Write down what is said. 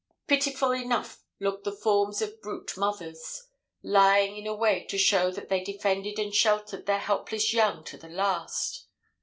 "Pitiful enough look the forms of brute mothers, lying in a way to show that they defended and sheltered their helpless young to the last.